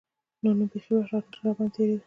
نور نو بيخي وخت نه راباندې تېرېده.